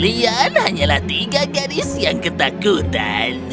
rian hanyalah tiga gadis yang ketakutan